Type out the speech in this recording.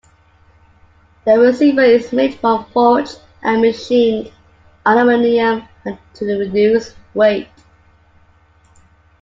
The receiver is made from forged and machined aluminum to reduce weight.